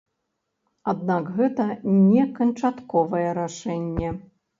Аднак гэта не канчатковае рашэнне.